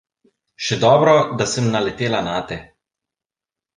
Še dobro, da sem naletela nate.